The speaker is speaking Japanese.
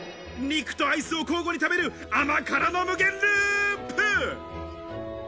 肉とアイスを交互に食べる甘辛の無限ループ！